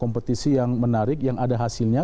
kompetisi yang menarik yang ada hasilnya